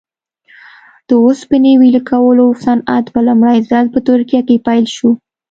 د اوسپنې ویلې کولو صنعت په لومړي ځل په ترکیه کې پیل شو.